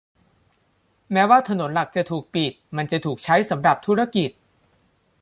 แม้ว่าถนนหลักจะถูกปิด มันจะถูกใช้สำหรับธุรกิจ